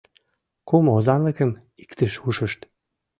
Кум озанлыкым иктыш ушышт.